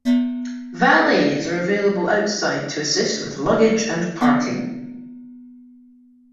Valets are available outside to assist with luggage and parking.